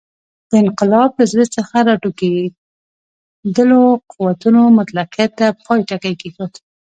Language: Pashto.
د انقلاب له زړه څخه راټوکېدلو قوتونو مطلقیت ته پای ټکی کېښود.